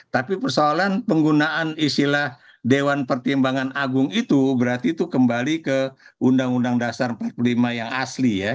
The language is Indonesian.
tapi persoalan penggunaan istilah dewan pertimbangan agung itu berarti itu kembali ke undang undang dasar empat puluh lima yang asli ya